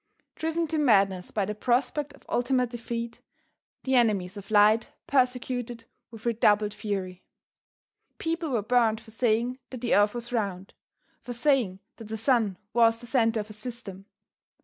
Driven to madness by the prospect of ultimate defeat, the enemies of light persecuted with redoubled fury. People were burned for saying that the earth was round, for saying that the sun was the center of a system.